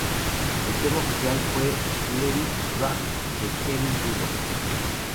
El tema oficial fue ""Let it Rock"" de Kevin Rudolf.